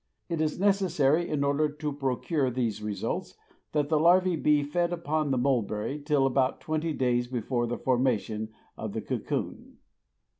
It is necessary in order to procure these results, that the larvae be fed upon the mulberry till about twenty days before the formation of the cocoon.